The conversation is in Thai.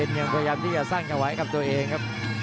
ยังใจเย็นยังพยายามเขาะสร้างไว้กับตัวเองครับ